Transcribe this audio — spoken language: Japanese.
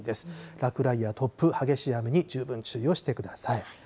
落雷や突風、激しい雨に十分注意をしてください。